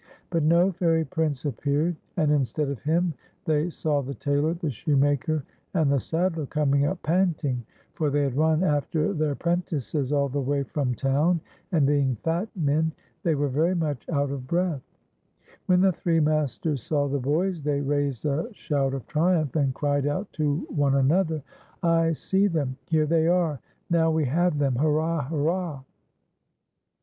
But no Fairy Prince appeared, and instead of him they saw the tailor, the shoemaker, and the saddler coming up panting, for they had run after their prentices all the way from town, and being fat men, they were very much out of r 36 TIFS Y 'S SIL VER BELL. breath. When the three masters saw the bo\ s, they raised a shout of triumph, and cried out to one another : "I see them;" ''Here they are;" ''Now we have them ;"" Hurrah ! hurrah